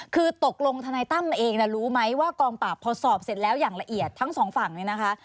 คือตกลงทนายตั้มเองรู้ไหมว่ากองปราบพอสอบเสร็จแล้วอย่างละเอียดทั้งสองฝั่งเนี่ยนะคะ